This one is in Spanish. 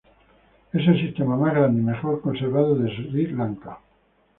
Es el sistema más grande y mejor conservado de Sri Lanka.